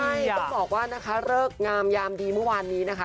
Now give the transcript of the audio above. ใช่ต้องบอกว่านะคะเลิกงามยามดีเมื่อวานนี้นะคะ